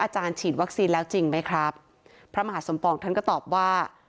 ฉีดวัคซีนแล้วจริงไหมครับพระมหาสมปองท่านก็ตอบว่า